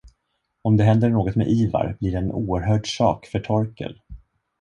Om det händer något med Ivar blir det en oerhörd sak för Torkel.